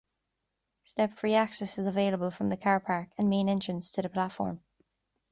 Step-free access is available from the car park and main entrance to the platform.